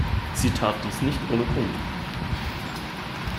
Sie tat dies nicht ohne Grund.